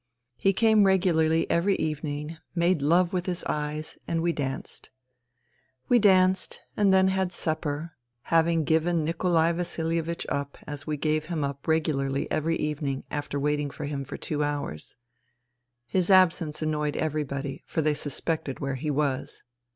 He came regularly every evening, made love with his eyes, and we danced. ... We danced, and then had supper, having given Nikolai Vasilievich up as we gave him up regularly every evening after waiting for him for two hours. His absence annoyed everybody, for they suspected where he was.